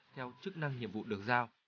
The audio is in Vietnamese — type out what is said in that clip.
theo chức năng nhiệm vụ được giao